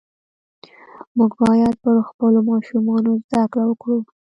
موږ باید پر خپلو ماشومانو زده کړه وکړو .